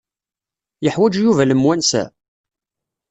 Yeḥwaj Yuba lemwansa?